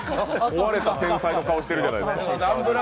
壊れた天才の顔してるじゃないですか。